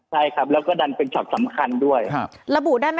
ใช่ครับแล้วก็ดันเป็นช็อตสำคัญด้วยครับระบุได้ไหม